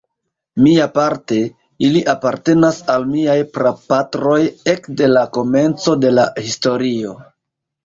Miaparte, ili apartenas al miaj prapatroj ekde la komenco de la historio.